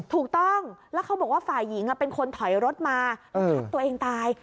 ถูกต้องแล้วเขาบอกว่าฝ่ายหญิงเป็นคนถอยรถมาแล้วทับตัวเองตาย